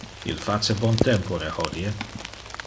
Il face bon tempore hodie.